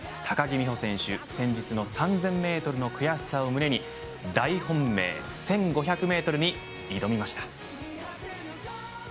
高木美帆選手、先日の３０００メートルの悔しさを胸に大本命１５００メートルに挑みました。